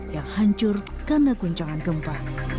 yang hancur karena guncangan gempa